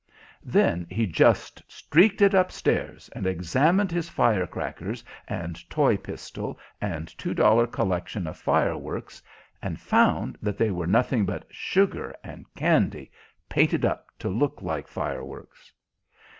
Then he just streaked it up stairs, and examined his fire crackers and toy pistol and two dollar collection of fireworks, and found that they were nothing but sugar and candy painted up to look like fireworks!